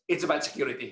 itu tentang keamanan